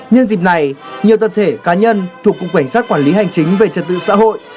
nhân dịp này nhiều tập thể cá nhân thuộc cục cảnh sát quản lý hành chính về trật tự xã hội